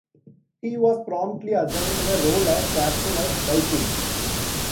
He was promptly assigned the role as captain at Viking.